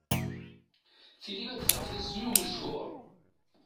Tili ad tafeḍ isem-iw mechur.